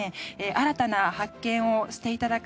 新たな発見をしていただく。